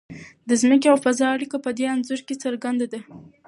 د ځمکې او فضا اړیکه په دې انځور کې څرګنده ده.